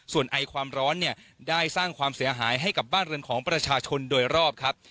ส่วนไอความร้อนเนี่ยได้สร้างความเสียหายให้กับบ้านเรือนของประชาชนโดยรอบครับ